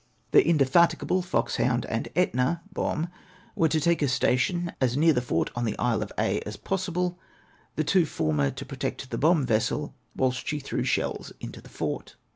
The Indefatigable, Foxhound, and Etna bomb, were to take a station as near the fort on the Isle of Aix as possible ; the two former to protect the bomb vessel, whilst she threw shells into the fort.